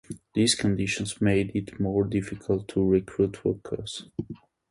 These conditions made it more difficult to recruit workers.